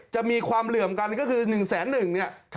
จะมีความเหลื่อมกันก็คือ๑๑๐๐เนี่ย